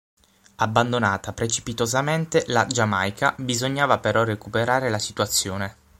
Abbandonata precipitosamente la Giamaica, bisognava però recuperare la situazione.